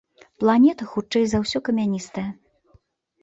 Планета хутчэй за ўсё камяністая.